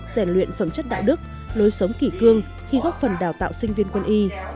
rèn luyện phẩm chất đạo đức lối sống kỷ cương khi góp phần đào tạo sinh viên quân y